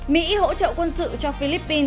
mỹ hỗ trợ quân sự cho philippines